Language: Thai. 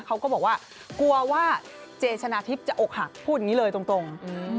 เขาก็บอกว่ากลัวว่าเจชนะทิพย์จะอกหักพูดอย่างนี้เลยตรง